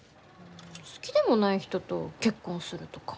ん好きでもない人と結婚するとか。